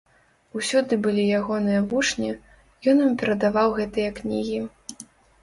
Усюды былі ягоныя вучні, ён ім перадаваў гэтыя кнігі.